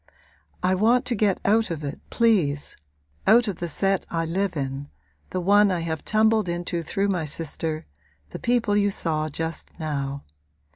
'I want to get out of it, please out of the set I live in, the one I have tumbled into through my sister, the people you saw just now.